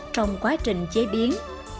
trong quá trình chế biến